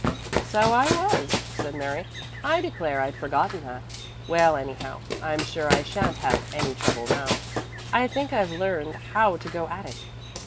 "So I was," said Mary. "I declare I'd forgotten that. Well, anyhow I'm sure I shan't have any trouble now. I think I've learned how to go at it.